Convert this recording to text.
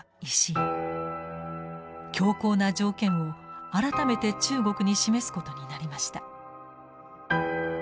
強硬な条件を改めて中国に示すことになりました。